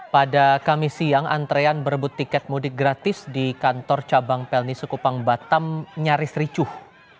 pada kamis siang antrean berebut tiket mudik gratis di kantor cabang pelni sukupang batam nyaris ricuh